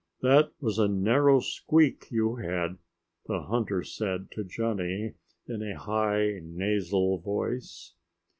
"That was a narrow squeak you had," the hunter said to Johnny, in a high, nasal voice.